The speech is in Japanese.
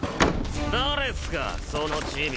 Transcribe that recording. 誰っすかそのチビ。